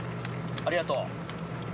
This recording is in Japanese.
ありがとう。